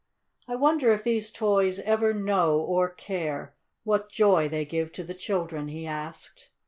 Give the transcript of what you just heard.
"I wonder if these toys ever know or care what joy they give to the children?" he asked.